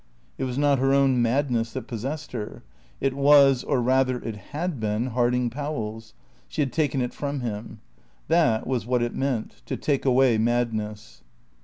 It was not her own madness that possessed her. It was, or rather it had been, Harding Powell's; she had taken it from him. That was what it meant to take away madness.